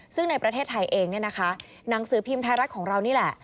ซึ่งในประเทศไทยเองหนังสือพิมศ์ไทยรัฐของเรานี่แหละ